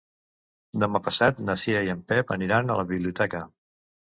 Demà passat na Cira i en Pep aniran a la biblioteca.